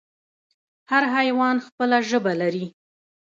هر حیوان خپله ژبه لري